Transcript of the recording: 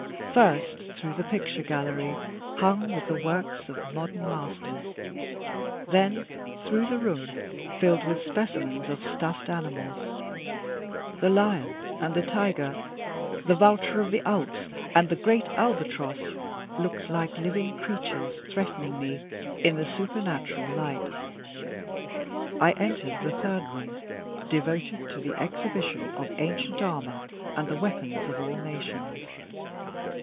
First, through the picture gallery, hung with the works of modern masters; then, through the room filled with specimens of stuffed animals. The lion and the tiger, the vulture of the Alps and the great albatross, looked like living creatures threatening me, in the supernatural light. I entered the third room, devoted to the exhibition of ancient armor, and the weapons of all nations.